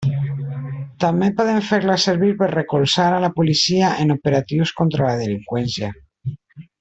També poden fer-les servir per recolzar a la policia en operatius contra la delinqüència.